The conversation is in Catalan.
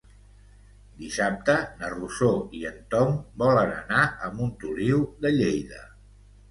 Dissabte na Rosó i en Tom volen anar a Montoliu de Lleida.